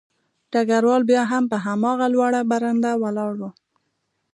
ډګروال بیا هم په هماغه لوړه برنډه ولاړ و